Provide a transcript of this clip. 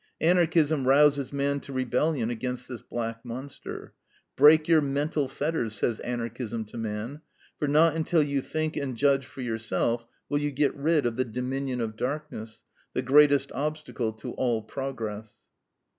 Anarchism rouses man to rebellion against this black monster. Break your mental fetters, says Anarchism to man, for not until you think and judge for yourself will you get rid of the dominion of darkness, the greatest obstacle to all progress.